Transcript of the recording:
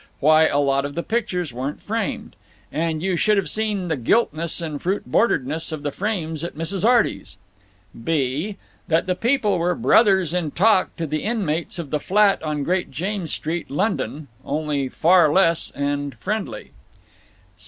Why, a lot of the pictures weren't framed! And you should have seen the giltness and fruit borderness of the frames at Mrs. Arty's! (b) That the people were brothers in talk to the inmates of the flat on Great James Street, London, only far less, and friendly.